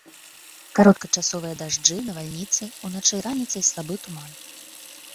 Кароткачасовыя дажджы, навальніцы, уначы і раніцай слабы туман.